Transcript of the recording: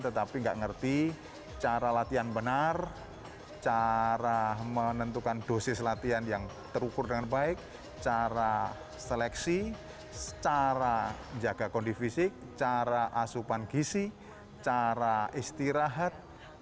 tetapi nggak ngerti cara latihan benar cara menentukan dosis latihan yang terukur dengan baik cara seleksi cara menjaga kondisi fisik cara asupan gisi cara istirahat